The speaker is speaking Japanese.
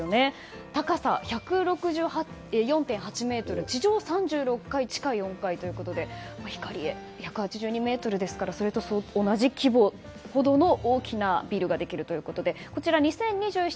高さ１６４．８ｍ、地上３６階地下４階ということでヒカリエは１８２ｍですからそれと同じ規模ほどの大きなビルができるということでこちら２０２７